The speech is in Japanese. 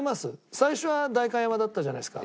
最初は代官山だったじゃないですか。